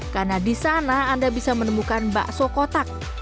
karena di sana anda bisa menemukan bakso kotak